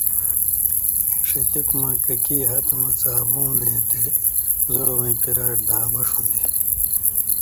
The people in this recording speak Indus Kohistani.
ݜتوک مہ ککی ہتہۡ مہ څابُون یی تے زوڑہۡ وَیں پِراٹ دھا بݜ ہُون٘دیۡ۔